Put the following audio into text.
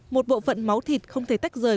một bộ phận máu thịt không thể tách rời